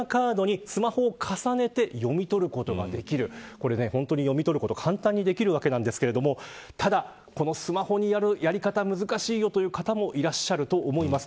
これ本当に、読み取ることが簡単にできるわけなんですがただスマホにやるやり方難しいよという方もいらっしゃると思います。